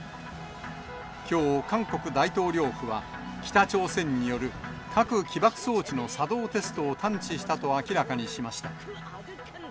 きょう、韓国大統領府は、北朝鮮による核起爆装置の作動テストを探知したと明らかにしました。